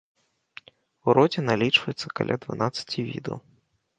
У родзе налічваецца каля дванаццаці відаў.